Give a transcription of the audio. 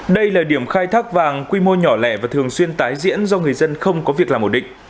đây là điểm khai thác vàng quy mô nhỏ lẻ và thường xuyên tái diễn do người dân không có việc làm ổ định